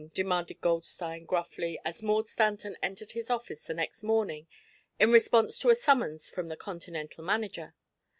demanded Goldstein gruffly, as Maud Stanton entered his office the next morning in response to a summons from the Continental manager.